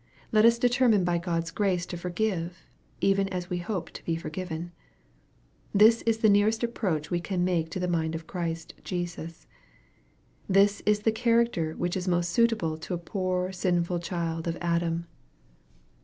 Let us determine by God's grace to forgive, even as we hope to be forgiven. This is the nearest approach we can make to the mind of Christ Jesus. This is the character which is most suitable to a poor sinful child of Adam.